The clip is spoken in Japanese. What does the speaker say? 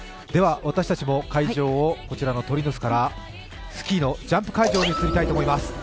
では、私たちも会場をこちらの鳥の巣からスキーのジャンプ会場に移りたいと思います。